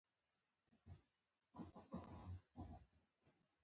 لاسونه روح ته غذا ورکوي